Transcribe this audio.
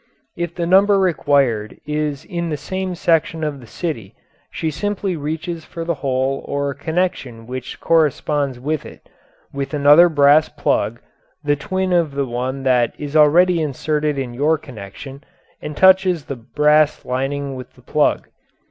If the number required is in the same section of the city she simply reaches for the hole or connection which corresponds with it, with another brass plug, the twin of the one that is already inserted in your connection, and touches the brass lining with the plug.